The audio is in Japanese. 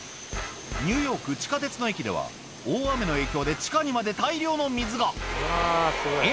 ニューヨーク地下鉄の駅では大雨の影響で地下にまで大量の水がえ！